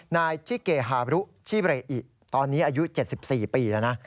นายชิเกฮารุชิเบเรอิตอนนี้อายุ๗๔ปีแล้วนะ